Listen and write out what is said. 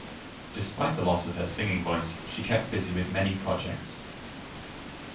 Despite the loss of her singing voice, she kept busy with many projects.